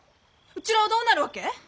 うちらはどうなるわけ？